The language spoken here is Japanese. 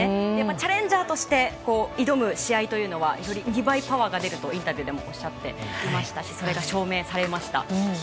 チャレンジャーとして挑む試合というのは２倍パワーが出るとインタビューでもおっしゃっていましたしそれが証明されました。